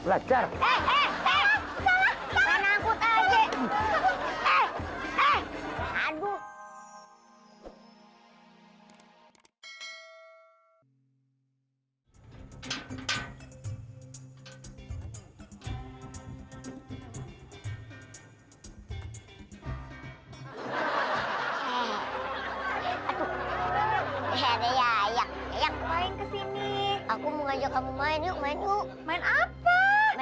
aduh ya ya ya ya main kesini aku mau ngajak kamu main yuk main yuk main apa main apa ke